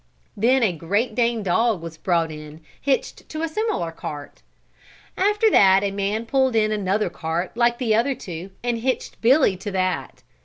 Then a great Dane dog was brought in hitched to a similar cart. After that a man pulled in another cart like the other two and hitched Billy to that.